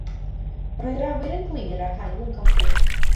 Roedd yr awyr yn glir a'r haul yn codi.